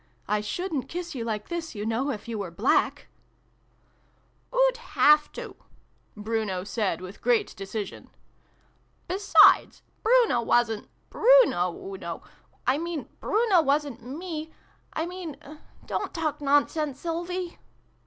" I shouldn't kiss you like this, you know, if you were black !"" Oo'd have to !" Bruno said with great de cision. " Besides, Bruno wasn't Bruno, oo know 1 mean, Bruno wasn't me 1 mean don't talk nonsense, Sylvie